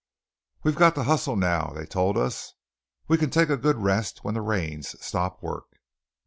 "We've got to hustle now," they told us. "We can take a good rest when the rains stop work."